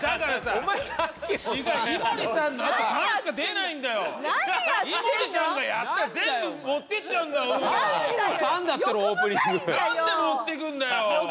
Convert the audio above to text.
なんで持ってくんだよ！